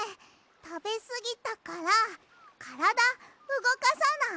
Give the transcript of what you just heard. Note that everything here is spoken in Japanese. たべすぎたからからだうごかさない？